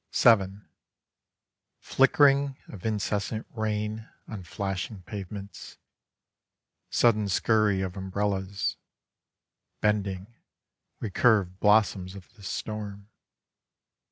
VII Flickering of incessant rain On flashing pavements: Sudden scurry of umbrellas: Bending, recurved blossoms of the storm.